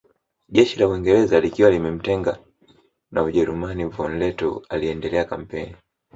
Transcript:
Jeshi la Uingereza likiwa limemtenga na Ujerumani von Lettow aliendesha kampeni